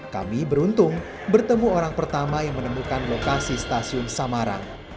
kami beruntung bertemu orang pertama yang menemukan lokasi stasiun samarang